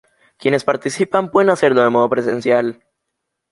Quienes participan pueden hacerlo de modo presencial.